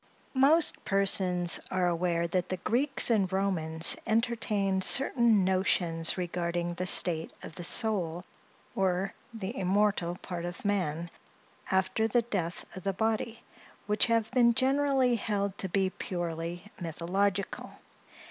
MOST persons are aware that the Greeks and Romans entertained certain notions regarding the state of the soul, or the immortal part of man, after the death of the body, which have been generally held to be purely mythological.